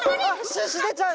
シュッシュでちゃう！